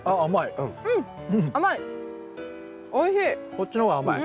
こっちの方が甘い。